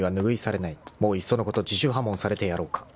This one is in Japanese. ［もういっそのこと自主破門されてやろうか］